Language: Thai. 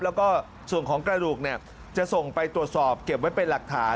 แล้วก็ส่วนของกระดูกจะส่งไปตรวจสอบเก็บไว้เป็นหลักฐาน